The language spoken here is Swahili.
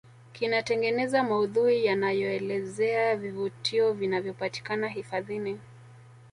kinatengeneza maudhui yanayoelezea vivutio vinavyopatikana hifadhini